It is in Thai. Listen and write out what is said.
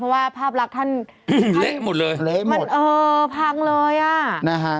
เพราะว่าภาพลักษณ์ท่านเละหมดเลยเละหมดเออพังเลยอ่ะนะฮะ